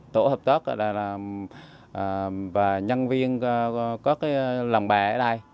tổ hợp tốt và nhân viên có lòng bè ở đây